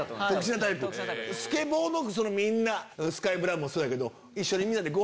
スケボーのみんなスカイ・ブラウンもそうやけど。